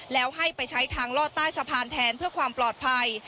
แล้วให้ไปใช้ทางลอดใต้สะพานแทนเพื่อความปลอดภัย